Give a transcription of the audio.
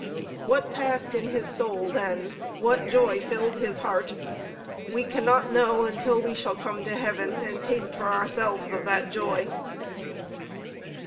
What passed in his soul then, what joy filled his heart, we cannot know until we shall come to heaven and taste for ourselves of that joy.